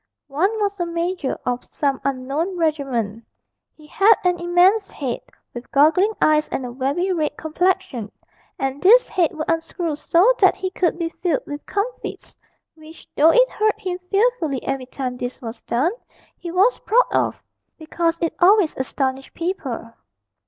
One was a major of some unknown regiment; he had an immense head, with goggling eyes and a very red complexion, and this head would unscrew so that he could be filled with comfits, which, though it hurt him fearfully every time this was done, he was proud of, because it always astonished people.